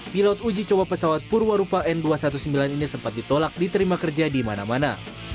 pilot uji coba pesawat purwarupa n dua ratus sembilan belas ini sempat ditolak diterima kerja di mana mana